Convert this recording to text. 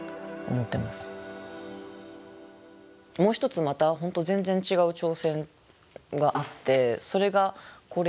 もう一つまた本当全然違う挑戦があってそれがこれなんですね。